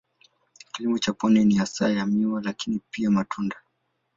Kilimo cha pwani ni hasa ya miwa lakini pia ya matunda.